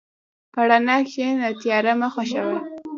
په رڼا کښېنه، تیاره مه خوښه وه.